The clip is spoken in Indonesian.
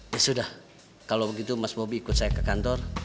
ya sudah kalau begitu mas bobi ikut saya ke kantor